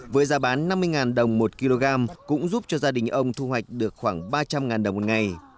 với giá bán năm mươi đồng một kg cũng giúp cho gia đình ông thu hoạch được khoảng ba trăm linh đồng một ngày